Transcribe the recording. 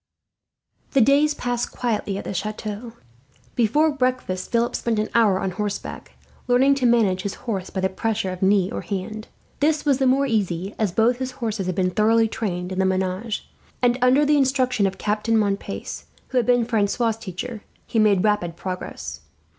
The days passed quietly at the chateau. Before breakfast Philip spent an hour on horseback, learning to manage his horse by the pressure of knee or hand. This was the more easy, as both his horses had been thoroughly trained in the menage, and under the instruction of Captain Montpace, who had been Francois' teacher, he made rapid progress.